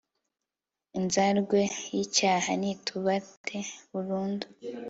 inzarwe y'icyaha ntitubate burundu